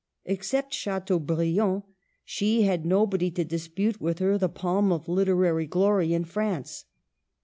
Except Chateaubriand, she had nobody \ to dispute with her the palm of literary glory in France.